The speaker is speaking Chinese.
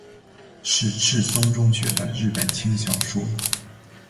是赤松中学的日本轻小说。